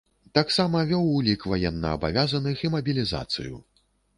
Таксама вёў улік ваеннаабавязаных і мабілізацыю.